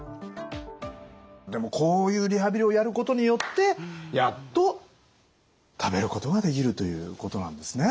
でもこういうリハビリをやることによってやっと食べることができるということなんですね。